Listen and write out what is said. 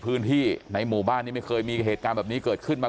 พื้นที่ในหมู่บ้านนี้ไม่เคยมีเหตุการณ์แบบนี้เกิดขึ้นมา